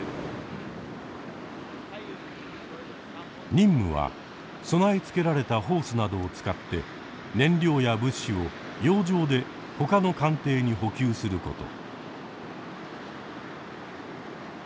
任務は備え付けられたホースなどを使って燃料や物資を洋上でほかの艦艇に補給すること。